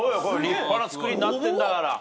立派なつくりになってんだから。